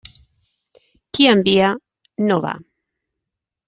Qui envia, no va.